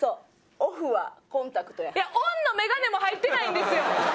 オンの眼鏡も入ってないんですよ。